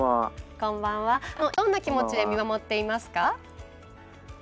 今どんな気持ちで見守っていますか？